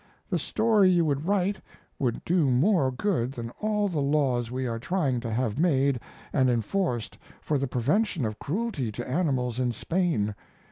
The story you would write would do more good than all the laws we are trying to have made and enforced for the prevention of cruelty to animals in Spain.